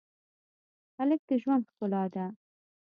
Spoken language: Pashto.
هلک د ژوند ښکلا ده.